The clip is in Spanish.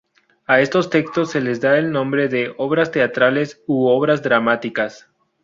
A estos textos se les da el nombre de obras teatrales u obras dramáticas.